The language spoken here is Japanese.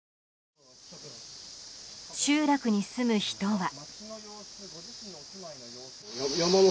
集落に住む人は。